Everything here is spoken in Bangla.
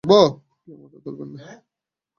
কেউ মাথা তুলবেন না।